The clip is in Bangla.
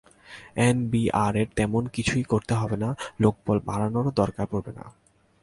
এনবিআরের তেমন কিছুই করতে হবে না, লোকবল বাড়ানোরও দরকার পড়বে না।